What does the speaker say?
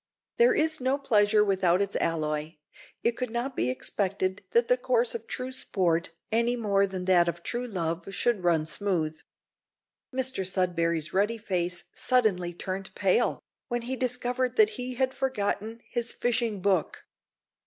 There is no pleasure without its alloy. It could not be expected that the course of true sport, any more than that of true love, should run smooth. Mr Sudberry's ruddy face suddenly turned pale when he discovered that he had forgotten his fishing book!